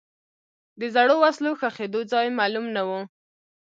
د زړو وسلو ښخېدو ځای معلوم نه و.